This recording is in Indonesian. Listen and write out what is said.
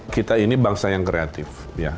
kita ini bangsa yang kreatif